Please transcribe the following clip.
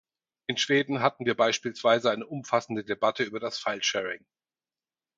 In Schweden hatten wir beispielsweise eine umfassende Debatte über das Filesharing.